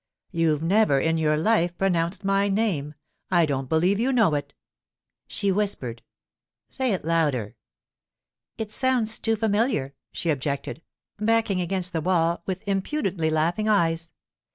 'You've never in your life pronounced my name. I don't believe you know it!' She whispered. 'Say it louder.' 'It sounds too familiar,' she objected, backing against the wall with impudently laughing eyes.